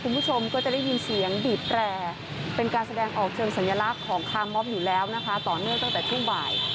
คุณผู้ชมก็จะได้ยินเสียงบีบแตรเป็นการแสดงออกเชิงสัญลักษณ์ของคาร์มอบอยู่แล้วนะคะต่อเนื่องตั้งแต่ช่วงบ่าย